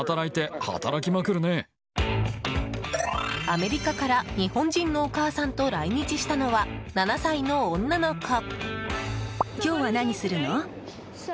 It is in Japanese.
アメリカから日本人のお母さんと来日したのは７歳の女の子。